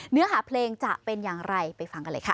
เนื้อหาเพลงจะเป็นอย่างไรไปฟังกันเลยค่ะ